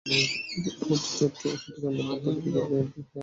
আহত চন্দন পান তাঁতিকে Chittagong medical college হাসপাতালে ভর্তি করা হয়েছে।